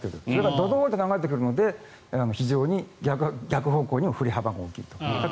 どどどって流れてくるので非常に逆方向に振り幅が大きいと。